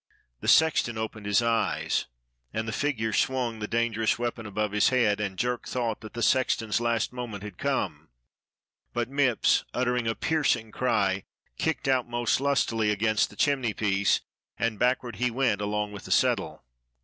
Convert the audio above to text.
The sexton opened his eyes, and the figure swoing the dangerous weapon above his head, and Jerk thought that the sexton's last mo ment had come, but Mipps, uttering a piercing cry, kicked out most lustily against the chimney piece, and backward he went along with the settle.